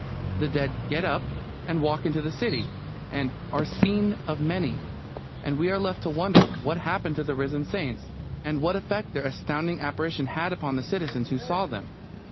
The dead get up and walk into the city, and "are seen of many," and we are left to wonder what happened to the risen saints, and what effect their astounding apparition had upon the citizens who saw them.